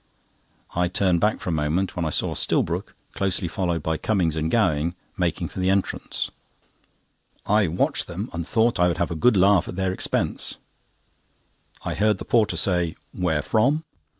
I turned back for a moment, when I saw Stillbrook, closely followed by Cummings and Gowing, make for the entrance. I watched them, and thought I would have a good laugh at their expense, I heard the porter say: "Where from?"